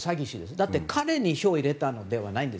だって、彼に票を入れたのではないんです。